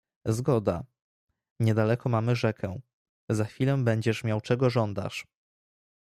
"Zgoda, niedaleko mamy rzekę, za chwilę będziesz miał czego żądasz."